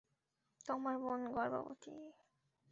তোমার বোন গর্ভবতী।